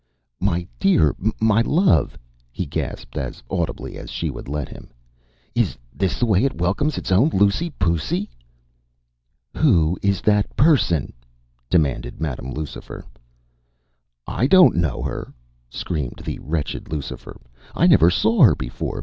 “My dear! my love!” he gasped, as audibly as she would let him, “is this the way it welcomes its own Lucy pucy?” “Who is that person?” demanded Madam Lucifer. “I don’t know her,” screamed the wretched Lucifer. “I never saw her before.